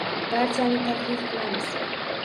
Barchani taklif qilamiz.